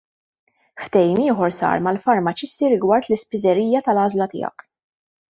Ftehim ieħor sar mal-farmaċisti rigward l-Ispiżerija tal-Għażla Tiegħek.